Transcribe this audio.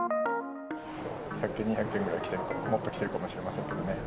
１００件、２００件ぐらい、もっと来てるかもしれませんけどね。